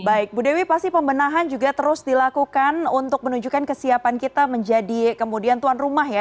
baik bu dewi pasti pembenahan juga terus dilakukan untuk menunjukkan kesiapan kita menjadi kemudian tuan rumah ya